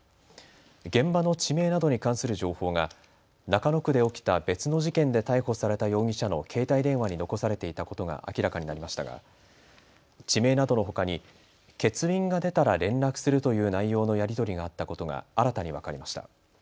現場の地名などに関する情報が中野区で起きた別の事件で逮捕された容疑者の携帯電話に残されていたことが明らかになりましたが地名などのほかに欠員が出たら連絡するという内容のやり取りがあったことが新たに分かりました。